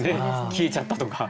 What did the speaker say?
消えちゃったとか。